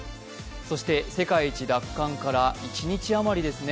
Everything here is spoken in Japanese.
そして世界一奪還から１日余りですね。